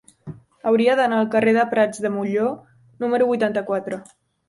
Hauria d'anar al carrer de Prats de Molló número vuitanta-quatre.